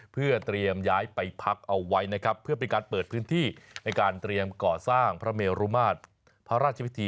เพื่อเตรียมย้ายไปพักเอาไว้นะครับเพื่อเป็นการเปิดพื้นที่ในการเตรียมก่อสร้างพระเมรุมาตรพระราชวิธี